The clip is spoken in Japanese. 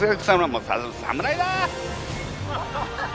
もう侍だ！